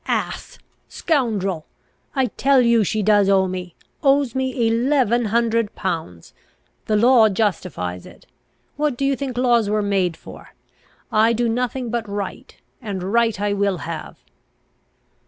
"Ass! Scoundrel! I tell you she does owe me, owes me eleven hundred pounds. The law justifies it. What do you think laws were made for? I do nothing but right, and right I will have."